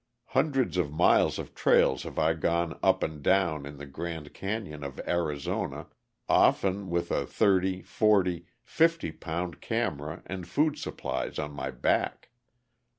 Hundreds of miles of trails have I gone up and down in the Grand Canyon of Arizona, often with a thirty, forty, fifty pound camera and food supplies on my back.